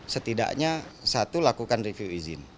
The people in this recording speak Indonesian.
setidaknya satu lakukan review izin